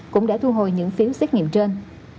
cũng đã thu hồi những phiếu xét nghiệm trên